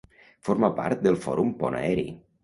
Forma part del Fòrum Pont Aeri.